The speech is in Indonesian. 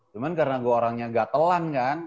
cuman karena gue orangnya gatelan kan